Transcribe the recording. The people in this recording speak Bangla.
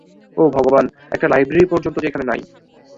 ও ভগবান, একটা লাইব্রেরি পর্যন্ত যে এখানে নাই!